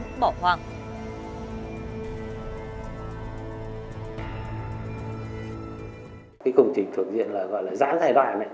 công trình thường diện là dãn thay bài